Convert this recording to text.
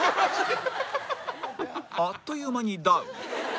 あっという間にダウン